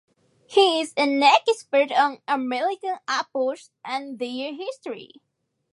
He is an expert on American apples and their history.